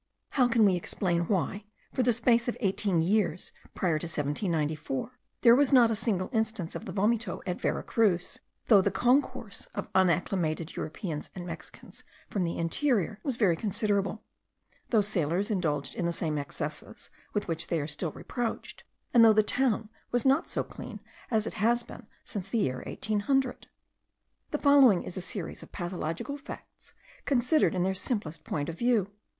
How can we explain why, for the space of eighteen years prior to 1794, there was not a single instance of the vomito at Vera Cruz, though the concourse of unacclimated Europeans and of Mexicans from the interior, was very considerable; though sailors indulged in the same excesses with which they are still reproached; and though the town was not so clean as it has been since the year 1800? The following is the series of pathological facts, considered in their simplest point of view.